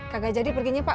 kagak jadi perginya pak